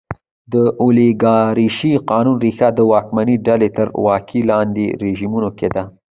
د اولیګارشۍ قانون ریښه د واکمنې ډلې تر ولکې لاندې رژیمونو کې ده.